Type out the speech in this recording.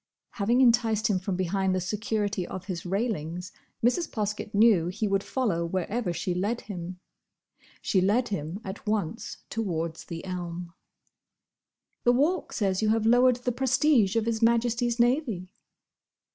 Having enticed him from behind the security of his railings, Mrs. Poskett knew he would follow wherever she led him. She led him at once towards the elm. "The Walk says you have lowered the prestige of His Majesty's Navy."